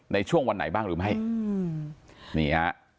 ในช่วงวันไหนบ้างหรือไม่